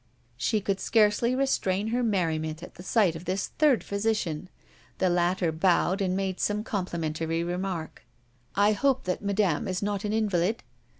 She could scarcely restrain her merriment at the sight of this third physician. The latter bowed and made some complimentary remark. "I hope that Madame is not an invalid?"